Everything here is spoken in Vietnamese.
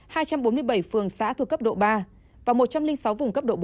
hai trăm bốn mươi bảy phường xã thuộc cấp độ ba và một trăm linh sáu vùng cấp độ bốn